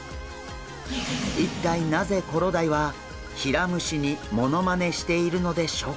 一体なぜコロダイはヒラムシにモノマネしているのでしょうか。